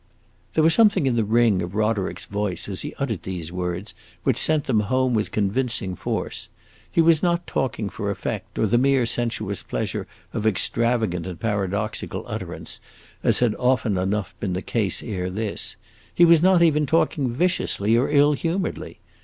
There was something in the ring of Roderick's voice, as he uttered these words, which sent them home with convincing force. He was not talking for effect, or the mere sensuous pleasure of extravagant and paradoxical utterance, as had often enough been the case ere this; he was not even talking viciously or ill humoredly.